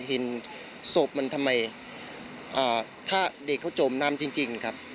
เห็นศพมันทำไมถ้าเด็กเขาจมน้ำจริงครับ